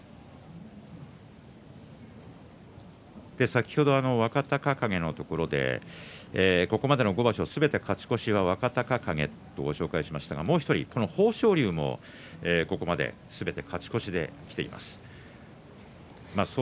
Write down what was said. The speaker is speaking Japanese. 先ほど若隆景のところでここまでの５場所すべて勝ち越しは若隆景とお伝えしましたが豊昇龍も、ここまですべて勝ち越しできています。